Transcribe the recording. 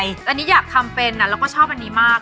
อันนี้อยากทำเป็นแล้วก็ชอบอันนี้มาก